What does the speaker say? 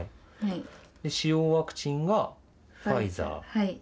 使用ワクチンがファイザー。